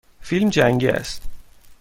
فیلم جنگی است.